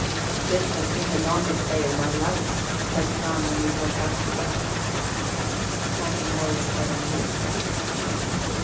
"This has been the longest day of my life," said Glahn when we got back to the hut. Nothing more was said on either side.